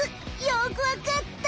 よくわかった！